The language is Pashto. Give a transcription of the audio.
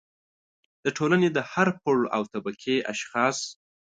د ټولنې د هر پوړ او طبقې اشخاص